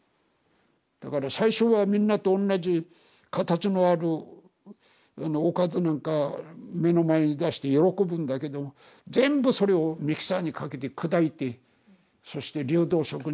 だから最初はみんなと同じ形のあるおかずなんか目の前に出して喜ぶんだけど全部それをミキサーにかけて砕いてそして流動食にして飲ませる。